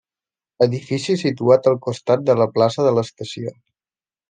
Edifici situat al costat de la plaça de l'Estació.